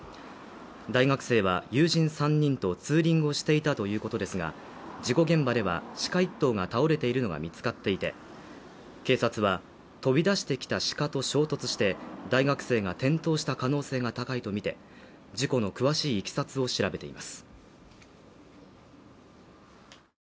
大学生は友人３人とツーリングをしていたということですが、事故現場ではシカ１頭が倒れているのが見つかっていて、警察は飛び出してきたシカと衝突して、大学生が転倒した可能性が高いとみて、事故の詳しい経緯を調べています。